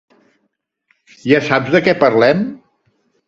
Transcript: Ja saps de què parlem?